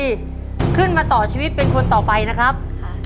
ขึ้นมาต่อชีวิตเป็นคนต่อไปนะครับ